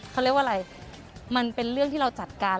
เขาเรียกว่าอะไรมันเป็นเรื่องที่เราจัดการ